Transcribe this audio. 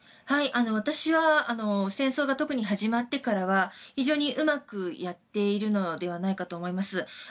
私は戦争が、特に始まってからは非常にうまくやっているのではないかと思います。